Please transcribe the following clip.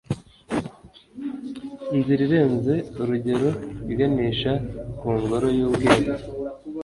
inzira irenze urugero iganisha ku ngoro y'ubwenge